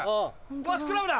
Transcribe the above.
うわスクラムだ！